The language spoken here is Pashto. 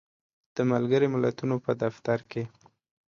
د ملګری ملتونو په دفتر کې